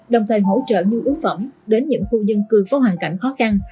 đồng thời hỗ trợ nhu yếu phẩm đến những khu dân cư có hoàn cảnh khó khăn